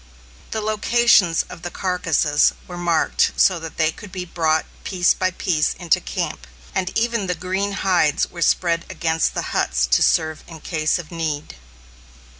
The locations of the carcasses were marked so that they could be brought piece by piece into camp; and even the green hides were spread against the huts to serve in case of need.